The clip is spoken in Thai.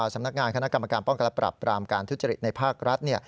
สำนักงานคณะกรรมการป้องกันและปรับปรามการทุจริตในภาครัฐ